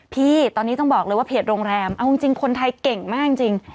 พี่ตอนนี้ต้องบอกเลยว่าเพจโรงแรมเอาจริงคนไทยเก่งมากจริง